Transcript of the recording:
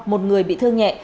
một người bị thương nhẹ